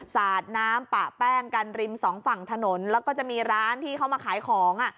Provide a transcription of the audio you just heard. สาดน้ำปะแป้งกันริมสองฝั่งถนนแล้วก็จะมีร้านที่เขามาขายของอ่ะ